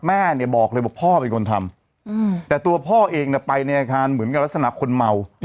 แม่เนี่ยบอกเลยว่าพ่อเป็นคนทำแต่ตัวพ่อเองไปในอาคารเหมือนกับลักษณะคนเมา